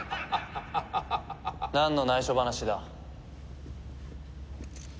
なんの内緒話だ？